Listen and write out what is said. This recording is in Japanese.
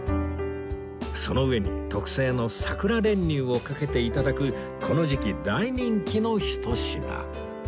その上に特製の桜練乳をかけて頂くこの時期大人気のひと品